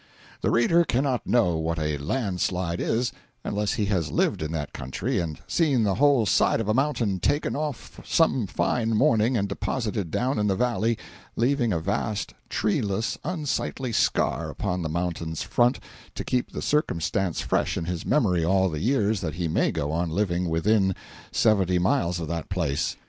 The reader cannot know what a land slide is, unless he has lived in that country and seen the whole side of a mountain taken off some fine morning and deposited down in the valley, leaving a vast, treeless, unsightly scar upon the mountain's front to keep the circumstance fresh in his memory all the years that he may go on living within seventy miles of that place.